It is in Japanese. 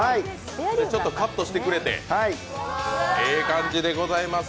カットしてくれて、ええ感じでございます。